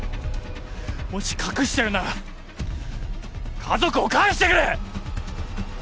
もし隠してるなら家族を返してくれ！